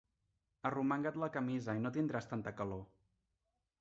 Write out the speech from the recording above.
Arromanga't la camisa i no tindràs tanta calor.